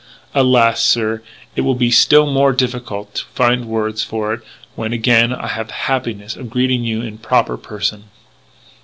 "Alas, sir, it will be still more difficult to find words for it when again I have the happiness of greeting you in proper person.